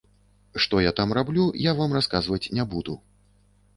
Што я там раблю, я вам расказваць не буду.